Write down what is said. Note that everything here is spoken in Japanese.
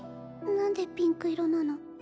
何でピンク色なの？